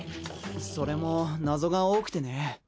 それも謎が多くてね。